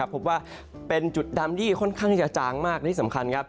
พบว่าเป็นจุดดำที่ค่อนข้างที่จะจางมากที่สำคัญครับ